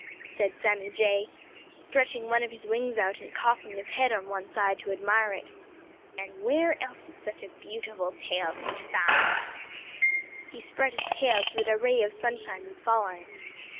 said Sammy Jay, stretching one of his wings out and cocking his head on one side to admire it. "And where else is such a beautiful tail to be found?" He spread his tail so that a ray of sunshine would fall on it.